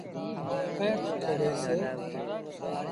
ائيٚݩ تو کي ڏئيس۔